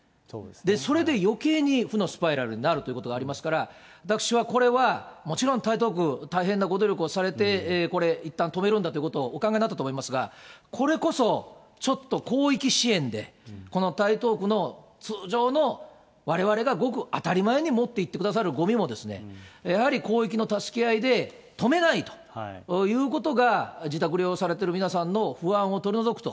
それでよけいに負のスパイラルになるということがありますから、私はこれは、もちろん台東区、大変なご努力をされて、これ、いったん止めるんだということをお考えになったと思いますが、これこそちょっと広域支援で、この台東区の通常の、われわれがごく当たり前に持っていってくださるごみも、やはり広域の助け合いで止めないということが、自宅療養されている皆さんの不安を取り除くと。